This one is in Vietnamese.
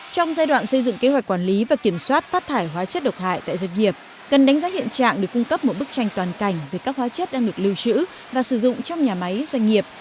trong giai đoạn xây dựng kế hoạch quản lý và kiểm soát phát thải hóa chất độc hại tại doanh nghiệp cần đánh giá hiện trạng để cung cấp một bức tranh toàn cảnh về các hóa chất đang được lưu trữ và sử dụng trong nhà máy doanh nghiệp